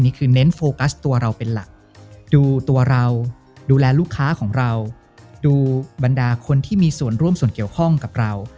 เน้นโฟกัสตัวเราเป็นหลักดูตัวเราดูแลลูกค้าของเราดูบรรดาคนที่มีส่วนร่วมส่วนเกี่ยวข้องกับเรา